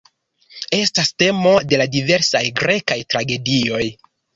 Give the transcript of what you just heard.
Estas temo de la diversaj grekaj tragedioj.